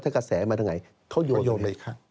ถ้ากระแสมาถึงไหนเขาโยนไปเขาโยนไปอีกข้าง